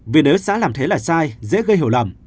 vì nếu xã làm thế là sai dễ gây hiểu lầm